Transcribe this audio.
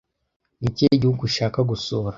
Ni ikihe gihugu ushaka gusura,